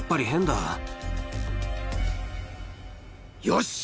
よし！